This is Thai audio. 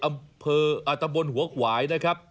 อำเภอตำบลหัวขวายนะครับ